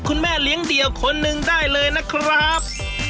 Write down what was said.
คุณแม่เลี้ยงเดี่ยวคนหนึ่งได้เลยนะครับ